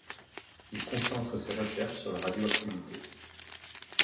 Il concentre ses recherches sur la radioactivité.